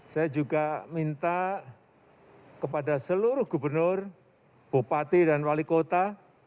saya juga minta kepada seluruh gubernur bupati dan wali kota